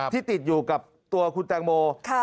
ที่ติดอยู่กับตัวคุณแตงโม